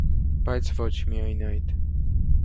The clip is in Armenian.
Բայց ոչ միայն այդ։